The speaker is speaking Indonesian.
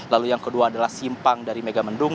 lalu yang kedua adalah simpang dari megamendung